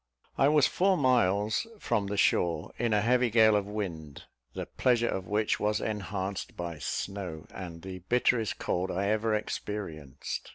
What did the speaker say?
I was four miles from the shore, in a heavy gale of wind, the pleasure of which was enhanced by snow, and the bitterest cold I ever experienced.